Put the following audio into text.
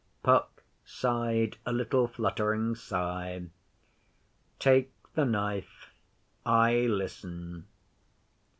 Puck sighed a little fluttering sigh. 'Take the knife. I listen.